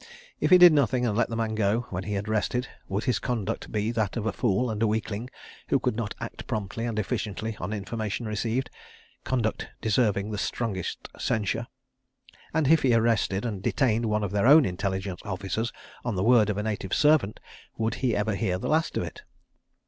If he did nothing and let the man go when he had rested, would his conduct be that of a fool and a weakling who could not act promptly and efficiently on information received—conduct deserving the strongest censure? ... And if he arrested and detained one of their own Intelligence Officers, on the word of a native servant, would he ever hear the last of it?